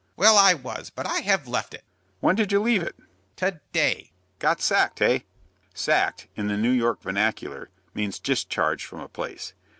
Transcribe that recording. "Well, I was, but I have left it." "When did you leave it?" "To day." "Got sacked, hey?" "Sacked," in the New York vernacular, means discharged from a place.